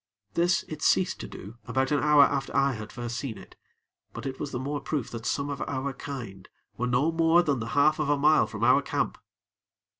This it ceased to do about an hour after I had first seen it; but it was the more proof that some of our kind were no more than the half of a mile from our camp.